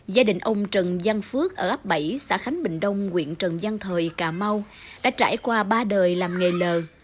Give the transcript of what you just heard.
gia đình ông trần giang phước ở ấp bảy xã khánh bình đông quyện trần giang thời cà mau đã trải qua ba đời làm nghề lờ